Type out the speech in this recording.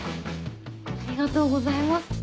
ありがとうございます。